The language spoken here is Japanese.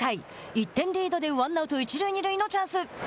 １点リードでワンアウト一塁二塁のチャンス。